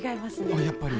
あっやっぱり。